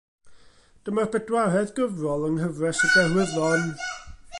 Dyma'r bedwaredd gyfrol yng nghyfres Y Derwyddon.